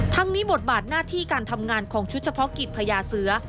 นี้บทบาทหน้าที่การทำงานของชุดเฉพาะกิจพญาเสือ